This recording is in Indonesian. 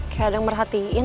kayak ada yang merhatiin